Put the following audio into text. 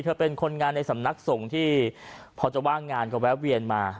เป็นคนงานในสำนักสงฆ์ที่พอจะว่างงานก็แวะเวียนมา